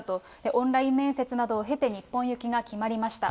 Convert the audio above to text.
オンライン面接などを経て、日本行きが決まりました。